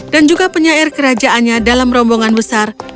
dan juga penyair kerajaannya dalam rombongan besar